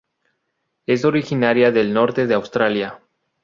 Es originaria del norte de Australia.